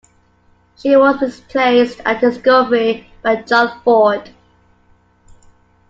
She was replaced at Discovery by John Ford.